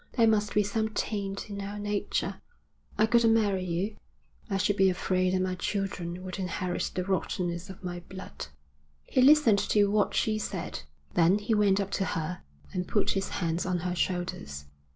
There must be some taint in our nature. I couldn't marry you; I should be afraid that my children would inherit the rottenness of my blood.' He listened to what she said. Then he went up to her and put his hands on her shoulders.